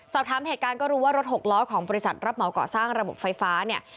สอบถามเหตุการณ์ก็รู้ว่ารถหกล้อของบริษัทรับเหมาก่อสร้างระบบไฟฟ้าเนี่ย